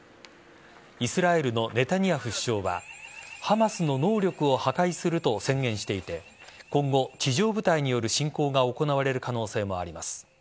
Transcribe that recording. イスラエルのネタニヤフ首相はハマスの能力を破壊すると宣言していて今後、地上部隊による侵攻が行われる可能性もあります。